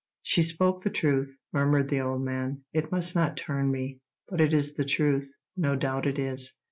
"She speaks the truth," murmured the old man. "It must not turn me; but it is the truth—no doubt it is."